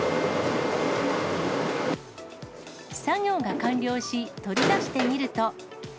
作業が完了し、取り出してみると。